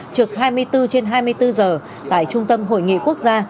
trực hai mươi bốn trên hai mươi bốn giờ tại trung tâm hội nghị quốc gia